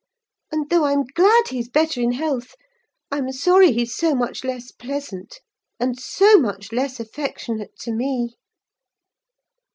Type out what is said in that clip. And, though I'm glad he's better in health, I'm sorry he's so much less pleasant, and so much less affectionate to me."